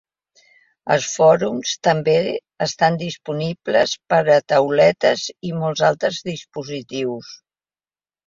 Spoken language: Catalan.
Els fòrums també estan disponibles per a tauletes i molts altres dispositius.